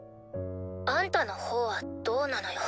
あんたのほうはどうなのよ？